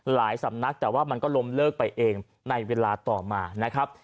สำนักแต่ว่ามันก็ล้มเลิกไปเองในเวลาต่อมานะครับ